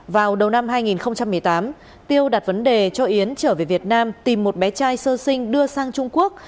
vào đầu năm hai nghìn một mươi tám tiêu đặt vấn đề cho yến trở về việt nam tìm một bé trai sơ sinh đưa sang trung quốc